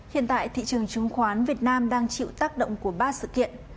hiện tại thị trường chứng khoán việt nam đang chịu tác động của ba sự kiện